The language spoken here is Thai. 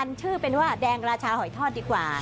ชื่อเป็นว่าแดงราชาหอยทอดดีกว่า